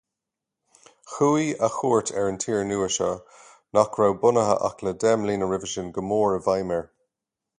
Chuaigh a chuairt ar an tír nua seo, nach raibh bunaithe ach le deich mbliana roimhe sin, go mór i bhfeidhm air.